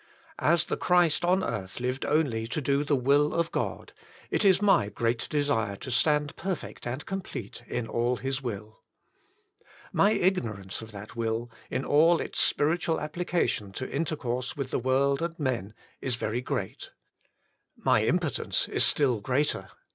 As the Christ on earth lived only to do the will of God, it is my great desire to stand perfect and complete in all His will. My Who Art Thou? 103 ignorance of that will, in all its spiritual applica ^% tion to intercourse with the world and men, is very /^fiA^^i^X great. My impotence is still greater.